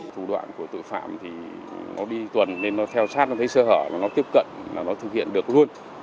thủ đoạn của tội phạm thì nó đi tuần nên nó theo sát nó thấy sơ hở nó tiếp cận là nó thực hiện được luôn